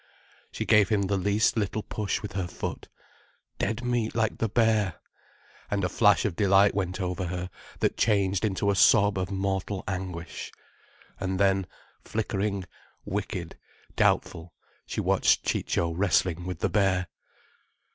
She gave him the least little push with her foot. Dead meat like the bear! And a flash of delight went over her, that changed into a sob of mortal anguish. And then, flickering, wicked, doubtful, she watched Ciccio wrestling with the bear.